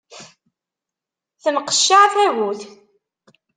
Tenqeccaɛ tagut.